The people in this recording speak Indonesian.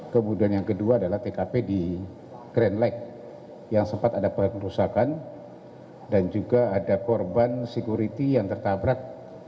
kemudian yang kedua adalah tkp di grand lag yang sempat ada pengerusakan dan juga ada korban security yang tertabrak